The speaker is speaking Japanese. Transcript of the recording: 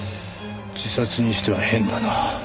自殺にしては変だな。